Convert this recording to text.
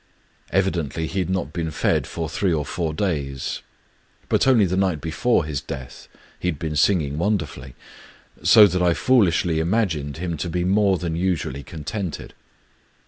Evidently he had not been fed for three or four days; but only the night before his death he had been sing ing wonderfully, — so that I foolishly imagined him to be more than usually contented.